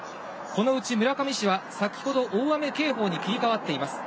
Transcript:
そのうち村上市は先ほど大雨警報に切り替わっています。